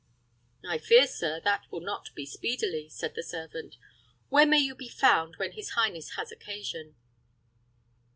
"I fear, sir, that will not be speedily," said the servant. "Where may you be found when his highness has occasion?"